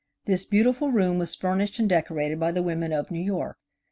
This beautiful room was furnished and decorated by the women of New York.